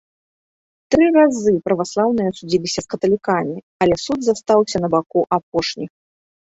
Тры разы праваслаўныя судзіліся з каталікамі, але суд застаўся на боку апошніх.